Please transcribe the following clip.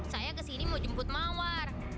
saya kesini mau jemput mawar